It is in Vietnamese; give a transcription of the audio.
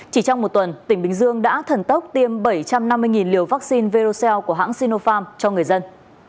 chỉ trong một tuần tỉnh bình dương đã thần tốc tiêm bảy trăm năm mươi liều vaccine verocel của hãng sinopharm cho người dân